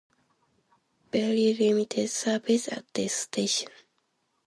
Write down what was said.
Very limited service at this station.